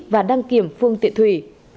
và đăng kiểm phương tiện thủy